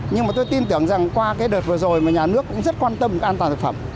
nhưng mà tôi tin tưởng rằng qua cái đợt vừa rồi mà nhà nước cũng rất quan tâm an toàn thực phẩm